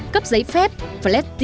cấp giấy phép